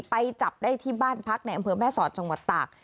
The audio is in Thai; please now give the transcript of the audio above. ไปจับได้ที่บ้านพักในอำเภอแม่สอดจังหวัดตาก